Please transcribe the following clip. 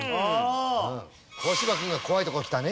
小柴君が怖いとこ来たね。